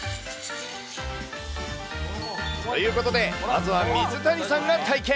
ということで、まずは水谷さんが体験。